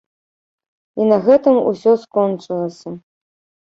І на гэтым усё скончылася.